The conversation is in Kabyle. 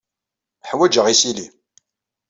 Ḥwajeɣ isili.